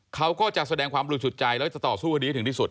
เขาก็จะแสดงความหลุดสุดใจแล้วจะต่อสู้พอดีถึงที่สุด